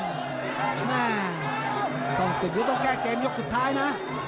แม่ต้องจุดยุทธต้องแก้เกมยกสุดท้ายนะ